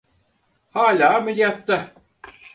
Hâlâ ameliyatta.